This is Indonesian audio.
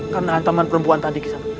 karena hantaman perempuan tadi kisanak